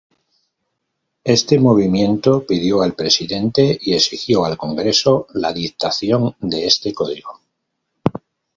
Este movimiento pidió al presidente y exigió al Congreso la dictación de este Código.